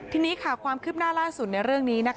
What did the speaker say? ทีนี้ค่ะความคืบหน้าล่าสุดในเรื่องนี้